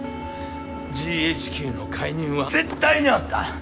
ＧＨＱの介入は絶対にあった！